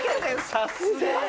さすがに。